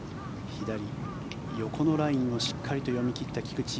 左横のラインをしっかりと読み切った菊地。